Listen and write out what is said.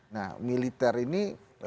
nah militer ini